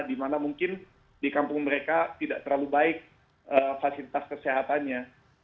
di mana mungkin di kampung mereka tidak terlalu baik fasilitas kesehatannya